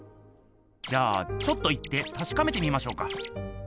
じゃあちょっと行ってたしかめてみましょうか。